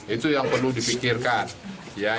itu yang perlu dipikirkan